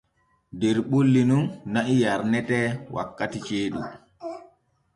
Der ɓulli nun na'i yarnete wankati ceeɗu.